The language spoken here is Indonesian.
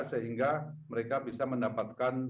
sehingga mereka bisa mendapatkan